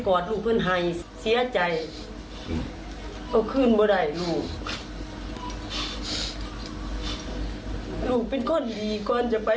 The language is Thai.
ก็มาหอมกว่าจะไป